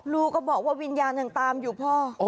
ลูกก็บอกว่าวิญญาณยังตามอยู่พ่อ